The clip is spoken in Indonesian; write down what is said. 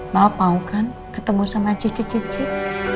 maaf mau kan ketemu sama cicit cicit